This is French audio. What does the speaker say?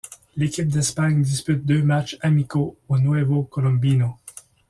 L'équipe d'Espagne dispute deux matchs amicaux au Nuevo Colombino.